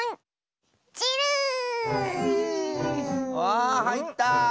わあはいった！